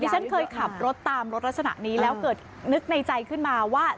ฉันเคยขับรถตามรถลักษณะนี้แล้วเกิดนึกในใจขึ้นมาว่า